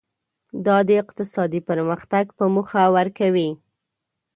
دا د اقتصادي پرمختګ په موخه ورکوي.